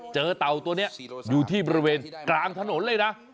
เต่าตัวนี้อยู่ที่บริเวณกลางถนนเลยนะ